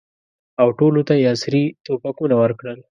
او ټولو ته یې عصري توپکونه ورکړل.